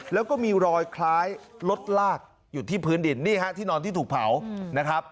แล้วก็มีรอยคล้ายรถลากอยู่ที่พื้นดินนี่ฮะที่นอนที่ถูกเผานะครับ